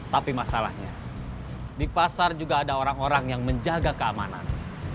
tapi masalahnya di pasar juga ada orang orang yang menjaga keamanan